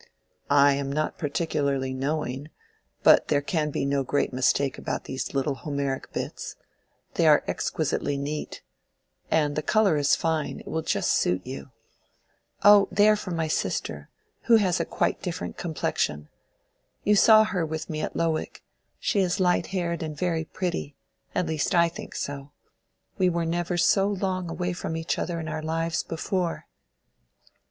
"I am not particularly knowing, but there can be no great mistake about these little Homeric bits: they are exquisitely neat. And the color is fine: it will just suit you." "Oh, they are for my sister, who has quite a different complexion. You saw her with me at Lowick: she is light haired and very pretty—at least I think so. We were never so long away from each other in our lives before.